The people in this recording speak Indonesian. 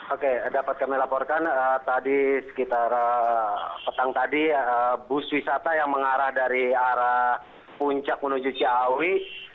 oke dapat kami laporkan tadi sekitar petang tadi bus wisata yang mengarah dari arah puncak menuju ciawi